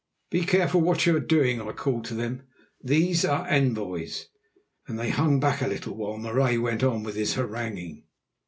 "Be careful what you are doing," I called to them. "These are envoys," and they hung back a little while Marais went on with his haranguing.